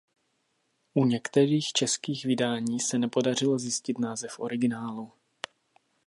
U některých českých vydání se nepodařilo zjistit název originálu.